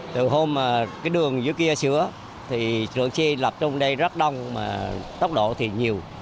từ hôm cái đường giữa kia sửa thì lượng xe lập trong đây rất đông mà tốc độ thì nhiều